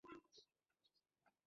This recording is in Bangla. জানি তুমি উত্তেজিত হয়ে আছো।